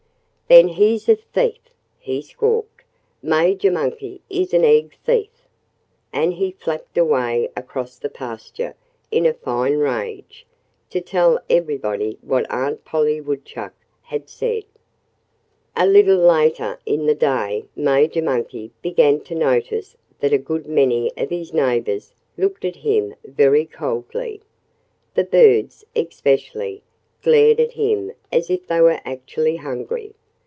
"Then he's a thief!" he squawked. "Major Monkey is an egg thief!" And he flapped away across the pasture in a fine rage, to tell everybody what Aunt Polly Woodchuck had said. A little later in the day Major Monkey began to notice that a good many of his neighbors looked at him very coldly. The birds, especially, glared at him as if they were actually angry.